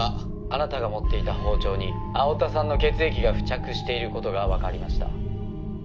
「あなたが持っていた包丁に青田さんの血液が付着している事がわかりました」